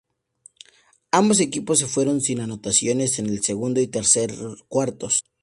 Ambos equipos se fueron sin anotaciones en el segundo y tercer cuartos.